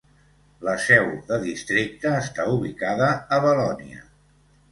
La seu de districte està ubicada a Belonia.